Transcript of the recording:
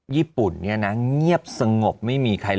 ญี่ปุ่นเนี่ยนะเงียบสงบไม่มีใครห